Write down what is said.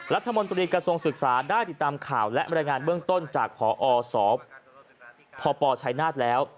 รัฐมนตรีกระทรวงศึกษาได้ติดตามข่าวและบรรยายงานเบื้องต้นจากพอสพชัยนาฏแล้ว